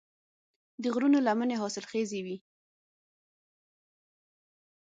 د غرونو لمنې حاصلخیزې وي.